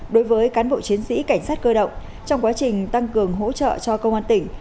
đối với cán bộ chiến sĩ cảnh sát cơ động trong quá trình tăng cường hỗ trợ cho công an tỉnh